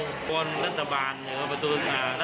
บอร์นรัฐบาลบาทศักรรณ์ว่าภาษาการยังไงที่ควบคุมหัวอยู่ในองค์โจรในใด